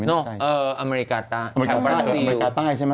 อำเมริกาใต้แทนพราซิล